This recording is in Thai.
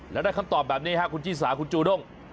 แล้วได้คำตอบแบบนี้ครับคุณชิสาคุณจูด้ง